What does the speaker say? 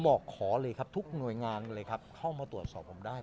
บอกขอเลยครับทุกหน่วยงานเลยครับเข้ามาตรวจสอบผมได้